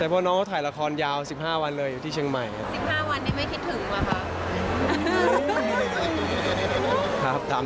แล้วก็พวกน้องก็ถ่ายละครยาว๑๕วันเลยที่เชียงใหม่